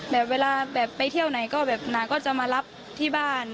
แบบเวลาไปเที่ยวไหนนางก็จะมารับที่บ้าน